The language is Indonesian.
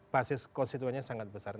basis konstituennya sangat besar